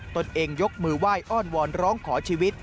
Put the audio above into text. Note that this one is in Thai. ตนเองยกมือไหว้อ้อนวอนร้องขอชีวิต